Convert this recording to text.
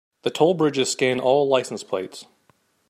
The toll bridges scan all license plates.